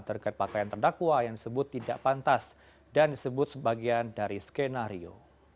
terkait pakaian terdakwa yang disebut tidak pantas dan disebut sebagian dari skenario